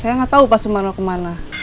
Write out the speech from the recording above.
saya gak tau pak sumarno kemana